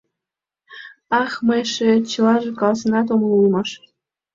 — Ах, мый эше чылаже каласенат омыл улмаш.